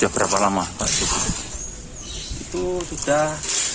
berapa lama itu sudah